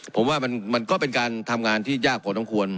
ผมว่ามันก็เป็นการทำงานที่ยากพอต้องควร